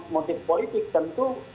motif politik tentu